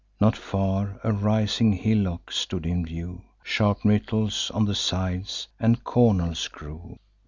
Not far, a rising hillock stood in view; Sharp myrtles on the sides, and cornels grew.